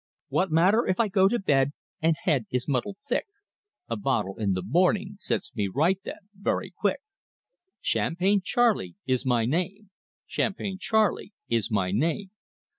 What matter if I go to bed and head is muddled thick, A bottle in the morning sets me right then very quick. Champagne Charlie is my name; Champagne Charlie is my name.